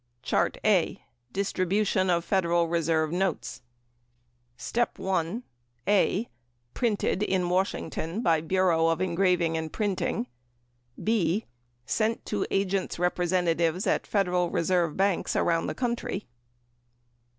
CHART A DISTRIBUTION OF FEDERAL RESERVE NOTES Step 1 Step 2 Step 3 (a) Printed in Washington by Bureau of Engraving and Printing; (b)sent to agent's representatives at Federal Reserve banks around the country.